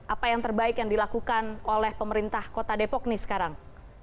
apa yang terbaik yang dilakukan oleh pemerintah kota depok nih sekarang